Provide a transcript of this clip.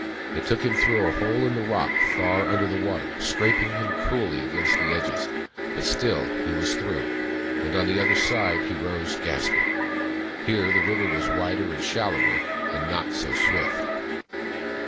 It took him through a hole in the rock, far under the water, scraping him cruelly against the edges ; but still, he was through, and on the other side he rose, gasping. Here the river was wider and shallower, and not so swift.